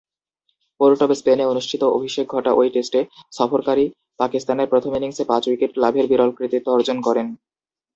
Port of স্পেনে অনুষ্ঠিত অভিষেক ঘটা ঐ টেস্টে সফরকারী পাকিস্তানের প্রথম ইনিংসে পাঁচ-উইকেট লাভের বিরল কৃতিত্ব অর্জন করেন।